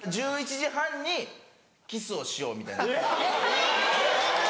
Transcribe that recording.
１１時半にキスをしようみたいな。え！